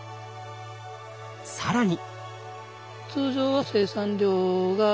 更に。